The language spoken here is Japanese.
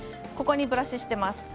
ここにブラシしています。